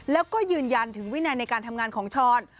แล้วก็ยืนยันถึงวินัยในการทำงานของช้อน